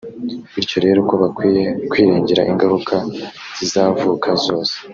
bityo rero ko bakwiye kwirengera ingaruka zizavuka zose